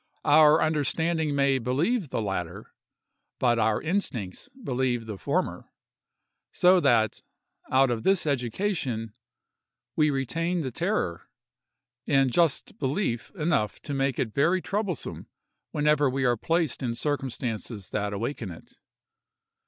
Our understanding may believe the latter, but our instincts believe the former; so that, out of this education, we retain the terror, and just belief enough to make it very troublesome whenever we are placed in circumstances that awaken it.